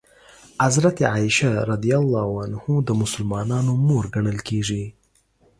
حضرت عایشه رض د مسلمانانو مور ګڼل کېږي.